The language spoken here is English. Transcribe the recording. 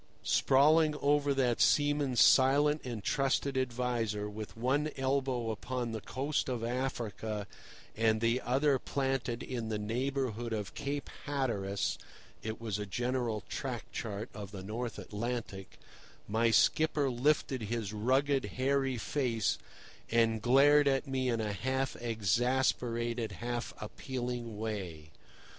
Sprawling over that seaman's silent and trusted adviser, with one elbow upon the coast of Africa and the other planted in the neighbourhood of Cape Hatteras (it was a general track chart of the North Atlantic), my skipper lifted his rugged, hairy face, and glared at me in a half exasperated, half appealing way.